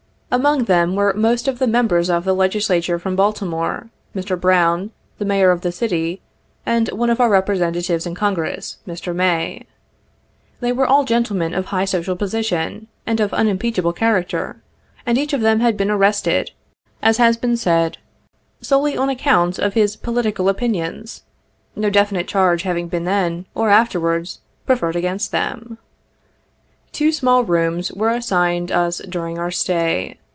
Among them were 9 most of the Members of the Legislature from Baltimore, Mr. Brown, the Mayor of the City, and one of our Repre sentatives in Congress, Mr. May. They were all gentlemen of high social position, and of unimpeachable character, and each of them had been arrested, as has been said, solely on account of his political opinions, no definite charge hav ing been then, or afterwards, preferred against them. Two small rooms were assigned us during our stay.